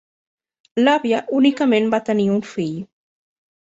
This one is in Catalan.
L'àvia únicament va tenir un fill.